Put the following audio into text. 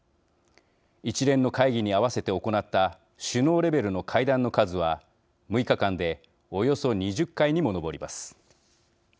一連の会議に合わせて行った首脳レベルの会談の数は６日間でおよそ２０回にも上ります。